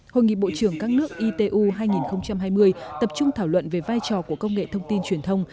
hội nghị bộ trưởng các nước itu hai nghìn hai mươi tập trung thảo luận về vai trò của công nghệ thông tin truyền thông